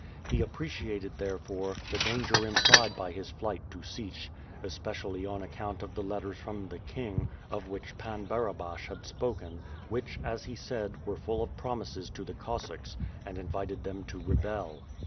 He appreciated, therefore, the danger implied by his flight to Sich, especially on account of the letters from tlie King, of which Pan Barabash had spoken, which, as he said, were full of promises to the Cossacks, and invited them to rebel.